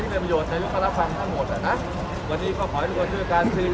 ชีวิตพูดดังชีวิตจะช่วยมั้ย